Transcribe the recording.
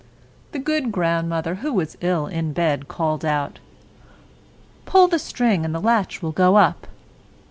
The good old woman, who was ill in bed, called out, "Pull the bobbin, and the latch will go up."